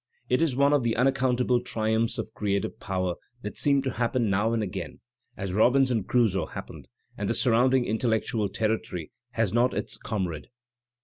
It is one of the unaccoimtable triumphs of creative power that seem to happen now and again, as "Robinson Crusoe " happened, and the surrounding intellectual territory has not its com rade.